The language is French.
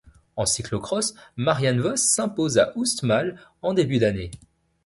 En cyclo-cross, Marianne Vos s'impose à Oostmalle en début d'année.